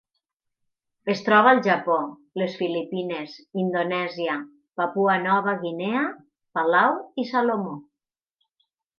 Es troba al Japó, les Filipines, Indonèsia, Papua Nova Guinea, Palau i Salomó.